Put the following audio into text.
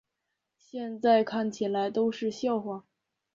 现在看起来都是笑话